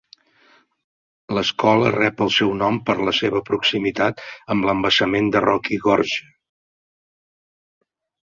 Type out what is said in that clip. L'escola rep el seu nom per la seva proximitat amb l'embassament de Rocky Gorge.